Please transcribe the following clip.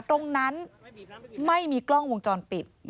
ตรงนั้นไม่มีกล้องวงจรปิด